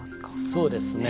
そうですね。